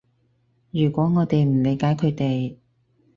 如果我哋唔理解佢哋